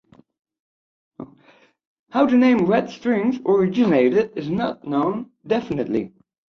How the name Red Strings originated is not known definitely.